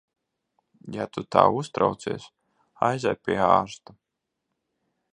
Ja tu tā uztraucies, aizej pie ārsta.